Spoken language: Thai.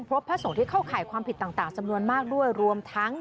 พระสงฆ์ที่เข้าข่ายความผิดต่างจำนวนมากด้วยรวมทั้ง